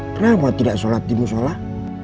kenapa tidak sholat timus sholat